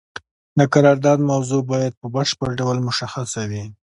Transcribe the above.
د قرارداد موضوع باید په بشپړ ډول مشخصه وي.